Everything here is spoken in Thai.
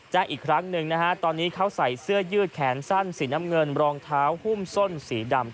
แจ้งอีกครั้งหนึ่งนะฮะตอนนี้เขาใส่เสื้อยืดแขนสั้นสีน้ำเงินรองเท้าหุ้มส้นสีดำ